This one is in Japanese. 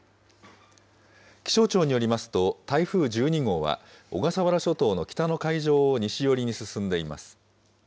気象庁によりますと、台風１２号は、小笠原諸島の北の海上を西寄りに進んでいます。